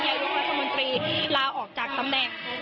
นายกรัฐมนตรีลาออกจากตำแหน่ง